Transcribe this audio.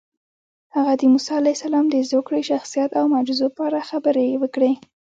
هغه د موسی علیه السلام د زوکړې، شخصیت او معجزو په اړه خبرې وکړې.